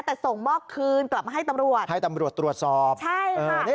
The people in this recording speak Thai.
แต่ส่งมอบคืนกลับมาให้ตำรวจให้ตำรวจตรวจสอบใช่เออนี่